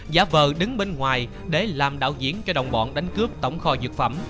giả vờ đứng bên ngoài để làm đạo diễn cho đồng bọn đánh cướp tổng kho dược phẩm